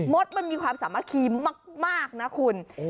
ดมันมีความสามัคคีมากนะคุณ